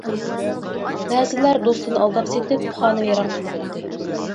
بەزىلەر دوستىنى ئالداپ سېتىپ خانىۋەيران قىلىۋەتتى.